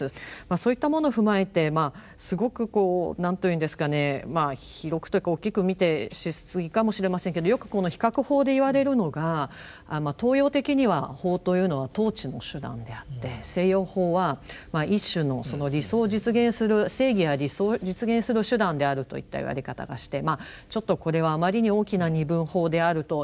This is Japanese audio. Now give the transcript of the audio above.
そういったもの踏まえてすごくこうなんと言うんですかね広くというか大きく見てしすぎかもしれませんけどよく比較法で言われるのが東洋的には法というのは統治の手段であって西洋法は一種の理想を実現する正義や理想を実現する手段であるといった言われ方がしてちょっとこれはあまりに大きな二分法であるというふうには思うもののですね